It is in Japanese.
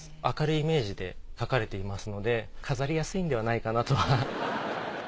明るいイメージで描かれていますので飾りやすいのではないかなとは。